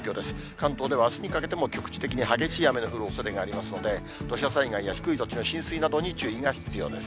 関東ではあすにかけても、局地的に激しい雨の降るおそれがありますので、土砂災害や低い土地の浸水などに注意が必要です。